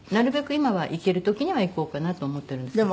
今は行ける時には行こうかなと思ってるんですけど。